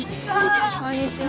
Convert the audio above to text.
こんにちは！